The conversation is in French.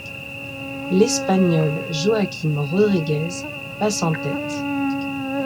L'Espagnol Joaquim Rodríguez passe en tête.